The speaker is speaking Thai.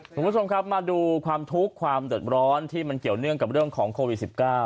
คุณผู้ชมครับมาดูความทุกข์ความเดือดร้อนที่มันเกี่ยวเนื่องกับเรื่องของโควิด๑๙